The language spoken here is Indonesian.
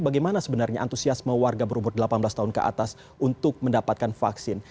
bagaimana sebenarnya antusiasme warga berumur delapan belas tahun ke atas untuk mendapatkan vaksin